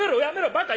バカ！